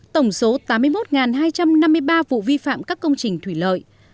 tổng số tám mươi một hai trăm năm mươi ba vụ vi phạm các công trình thủy lợi